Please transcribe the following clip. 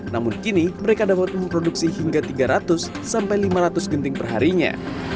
namun kini mereka dapat memproduksi hingga tiga ratus sampai lima ratus genting perharinya